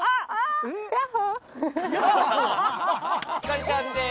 星ちゃんです！